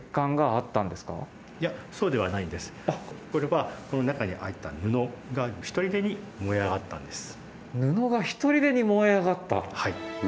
これはこの中にあった布がひとりでに燃え上がった。